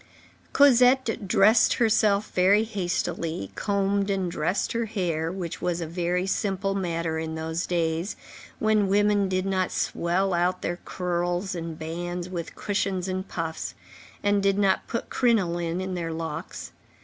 Cosette dressed herself very hastily, combed and dressed her hair, which was a very simple matter in those days, when women did not swell out their curls and bands with cushions and puffs, and did not put crinoline in their locks.